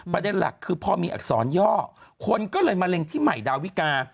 ประเด็นหลักคือพอมีอักษรย่อคนก็เลยมะเร็งที่ใหม่ดาวิกา